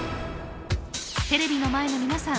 テレビの前の皆さん